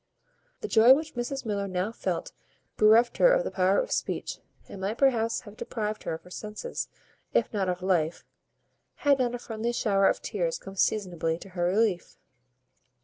The joy which Mrs Miller now felt bereft her of the power of speech, and might perhaps have deprived her of her senses, if not of life, had not a friendly shower of tears come seasonably to her relief.